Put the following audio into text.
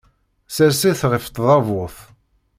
Ssers-it ɣef tdabut.